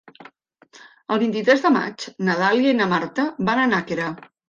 El vint-i-tres de maig na Dàlia i na Marta van a Nàquera.